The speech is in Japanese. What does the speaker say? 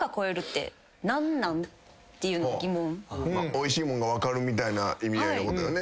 おいしいもんが分かるみたいな意味合いのことよね。